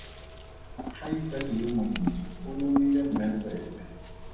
Kgaitsadi yo monnye o lomile mme tsebe.